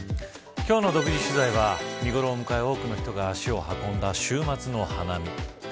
今日の独自取材は見頃を迎え多くの人が足を運んだ週末の花見。